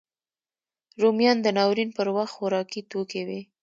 رومیان د ناورین پر وخت خوارکي توکی وي